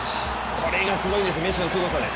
これがすごいんです、メッシのすごさです。